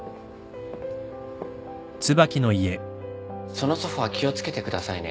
そのソファ気を付けてくださいね。